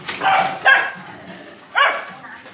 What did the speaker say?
สวัสดีทุกคน